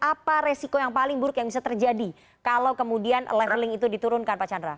apa resiko yang paling buruk yang bisa terjadi kalau kemudian leveling itu diturunkan pak chandra